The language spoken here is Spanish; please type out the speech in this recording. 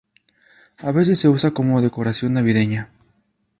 A veces se usa como decoración navideña.